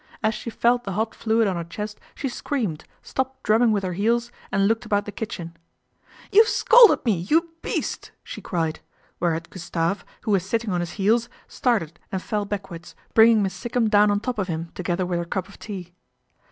As she felt the hot fluid on her chest she screamed, stopped drumming with her heels and looked about the kitchen. ' You've scalded me, you beast !" she cried, i whereat Gustave, who was sitting on his heels, started and fell backwards, bringing Miss Sikkum down on top of him together with her cup of tea.